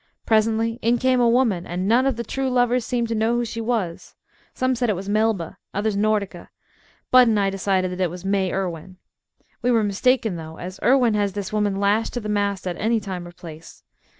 Presently in came a woman, and none of the true lovers seemed to know who she was. Some said it was Melba, others Nordica. Bud and I decided that it was May Irwin. We were mistaken, though, as Irwin has this woman lashed to the mast at any time or place.